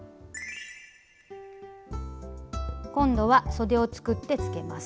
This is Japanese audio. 今度はそでを作ってつけます。